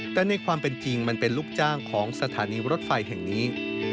แต่ในความเป็นจริงมันเป็นลูกจ้างของสถานีรถไฟแห่งนี้